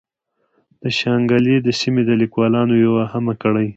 د شانګلې د سيمې د ليکوالانو يوه اهمه کړۍ